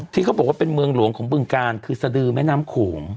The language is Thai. ที่เขาบอกว่าเป็นเมืองหลวงของบึงการคือสดือแม่น้ำโขง